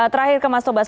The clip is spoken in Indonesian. terakhir ke mas tobas